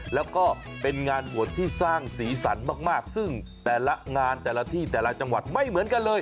แล้วก็เป็นงานบวชที่สร้างสีสันมากซึ่งแต่ละงานแต่ละที่แต่ละจังหวัดไม่เหมือนกันเลย